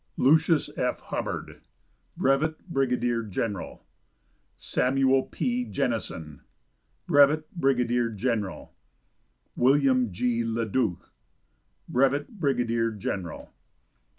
Lucius F. Hubbard, Brevet Brigadier General. Samuel P. Jennison, Brevet Brigadier General. William G. Le Duc, Brevet Brigadier General.